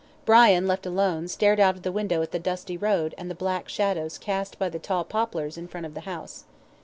Brian, left alone, stared out of the window at the dusty road and the black shadows cast by the tall poplars in front of the house.